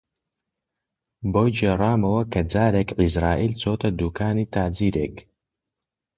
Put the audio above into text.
بۆی گێڕامەوە کە جارێک عیزراییل چۆتە دووکانی تاجرێک